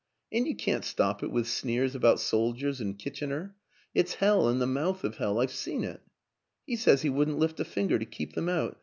And you can't stop it with sneers about soldiers and Kitchener. ... It's hell and the mouth of hell I've seen it. He says he wouldn't lift a finger to keep them out.